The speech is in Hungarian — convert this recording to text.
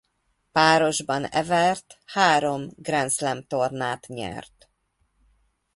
Párosban Evert három Grand Slam-tornát nyert.